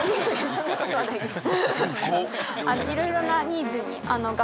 そんな事はないです。